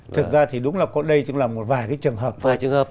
thực ra thì đúng là có đây là một vài cái trường hợp